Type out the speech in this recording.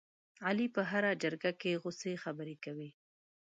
علي په هره جرګه کې غوڅې خبرې کوي.